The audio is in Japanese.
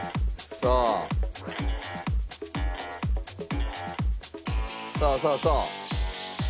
さあさあさあ。